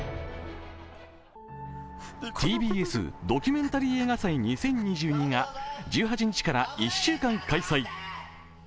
「ＴＢＳドキュメンタリー映画祭２０２２」が１８日から１週間開催。